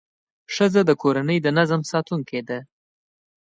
ښځه د کورنۍ د نظم ساتونکې ده.